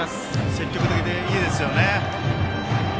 積極的でいいですね。